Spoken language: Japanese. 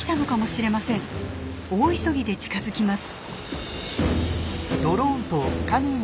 大急ぎで近づきます。